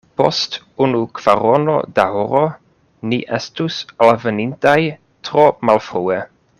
Post unu kvarono da horo, ni estus alvenintaj tro malfrue.